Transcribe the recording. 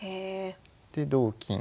で同金。